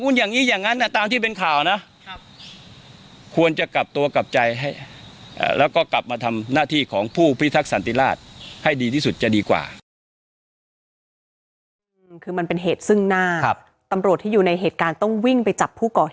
แล้วก็กลับมาทำหน้าที่ของผู้พิทักษณ์สันติราชให้ดีที่สุดจะดีกว่า